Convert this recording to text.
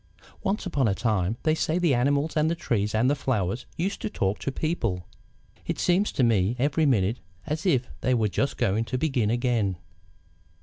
"Once upon a time, they say, the animals and the trees and the flowers used to talk to people. It seems to me, every minute, as if they were just going to begin again.